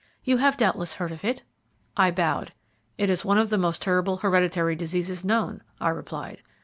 You have doubtless heard of it?" I bowed. "It is one of the most terrible hereditary diseases known," I replied.